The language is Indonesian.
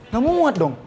gak mau muat dong